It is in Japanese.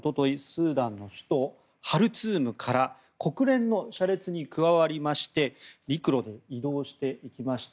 スーダンの首都ハルツームから国連の車列に加わりまして陸路で移動していきました。